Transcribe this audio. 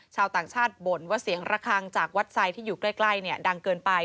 ชาวต่างชาติบ่นว่าเสียงระคังจากวัดไซด์ที่อยู่ใกล้ดังเกินไป